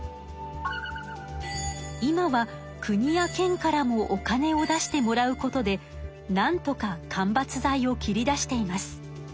今は国や県からもお金を出してもらうことでなんとか間伐材を切り出しています。